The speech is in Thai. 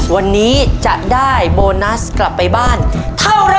วันนี้จะได้โบนัสกลับไปบ้านเท่าไร